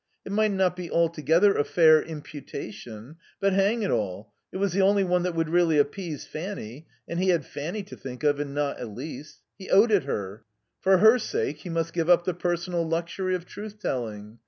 It might not be altogether a fair imputation, but, hang it all, it was the only one that would really appease Fanny, and he had Fanny to think of and not Elise. He owed it her. For her sake he must give up the personal luxury of truthtelling.